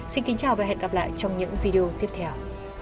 xin kính chào và hẹn gặp lại trong những video tiếp theo